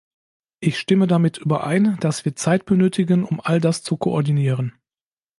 Ich stimme damit überein, dass wir Zeit benötigen, um all das zu koordinieren.